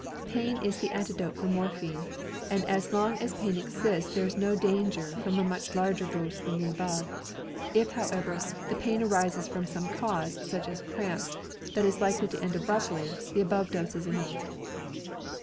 Pain is the antidote for morphin, and as long as pain exists there is no danger from a much larger dose than the above. If, however, the pain arises from some cause, such as cramps, that is likely to end abruptly, the above dose is enough.